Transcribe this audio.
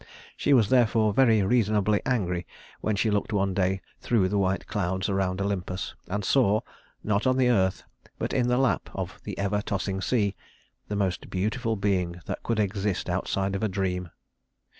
She was therefore very reasonably angry when she looked one day through the white clouds around Olympus and saw not on the earth, but in the lap of the ever tossing sea the most beautiful being that could exist outside of a dream.